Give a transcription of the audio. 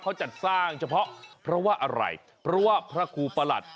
เขาจัดสร้างเฉพาะเพราะว่าอะไรเพราะว่าพระครูประหลัด